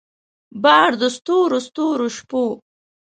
بار د ستورو ستورو شپو